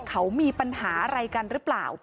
เขามีปัญหาอะไรกันหรือเปล่า